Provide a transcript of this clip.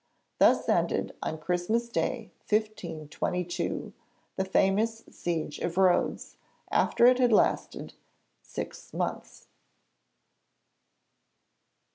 Thus ended on Christmas Day 1522 the famous Siege of Rhodes, after it had lasted six months.